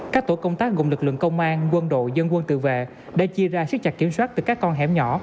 các tổ công tác gồm lực lượng công an quân đội dân quân tự vệ đã chia ra xếp chặt kiểm soát từ các con hẻm nhỏ